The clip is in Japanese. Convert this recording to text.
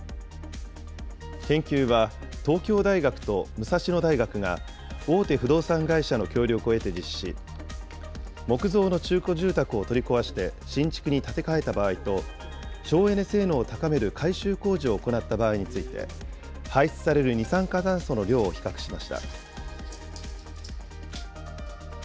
研究は、東京大学と武蔵野大学が大手不動産会社の協力を得て実施し、木造の中古住宅を取り壊して新築に建て替えた場合と、省エネ性能を高める改修工事を行った場合について、排出される二酸化炭素の量を比較しました。